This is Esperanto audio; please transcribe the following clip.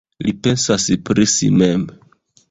Li pensas pri si mem.